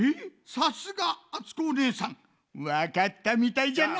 さすがあつこおねえさんわかったみたいじゃな！